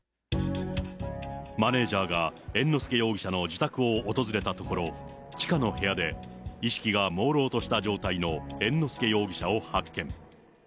マネージャーが猿之助容疑者の自宅を訪れたところ、地下の部屋で意識がもうろうとした状態の猿之助容疑者を発見。